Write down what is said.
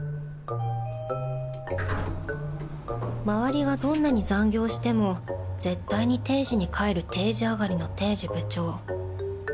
周りがどんなに残業をしても絶対に定時に帰る定時上がりの堤司部長。